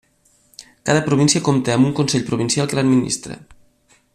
Cada província compta amb un Consell Provincial que l'administra.